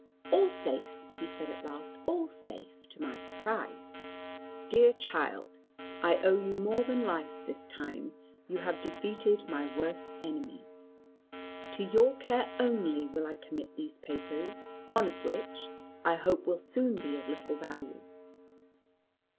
"All safe," he said at last, "all safe, to my surprise. Dear child, I owe you more than life this time. You have defeated my worst enemy. To your care only will I commit these papers, one of which, I hope will soon be of little value.